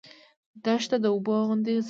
دښته د اوبو غوندې ځلېدله.